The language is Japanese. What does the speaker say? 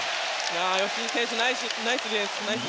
吉井選手ナイスディフェンス。